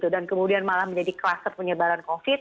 dan kemudian malah menjadi kluster penyebaran covid